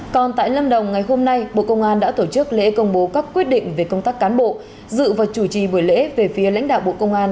còn tại lâm đồng ngày hôm nay bộ công an đã tổ chức lễ công bố các quyết định về công tác cán bộ dự và chủ trì buổi lễ về phía lãnh đạo bộ công an